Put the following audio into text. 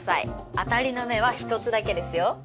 当たりの目は一つだけですよ。